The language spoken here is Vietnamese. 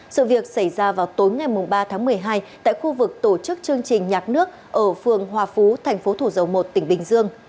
sự việc xảy ra vào tối ngày ba tháng một mươi hai tại khu vực tổ chức chương trình nhạc nước ở phường hòa phú thành phố thủ dầu một tỉnh bình dương